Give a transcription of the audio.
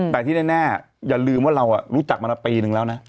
แต่ที่แน่อย่าลืมว่าเรารู้จักมาปีนึงแล้วนะ